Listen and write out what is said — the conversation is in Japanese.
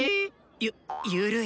ゆっゆるい！